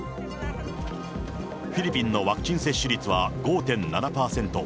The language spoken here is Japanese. フィリピンのワクチン接種率は５．７％。